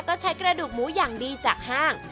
ก็ใช้กระดูกหมูอย่างดีจากห้าง